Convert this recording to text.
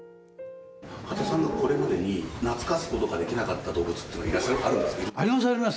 畑さんがこれまでに懐かすことができなかった動物ってのはああります、あります。